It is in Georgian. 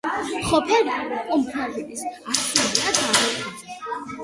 ხოფერია, კუპრაშვილის ასული, და ვეფხვაძე.